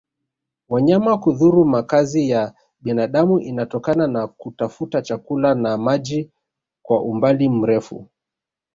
wanyama kudhuru makazi ya binadamu inatokana na kutafuta chakula na maji kwa umbali mrefu